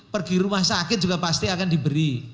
pergi rumah sakit juga pasti akan diberi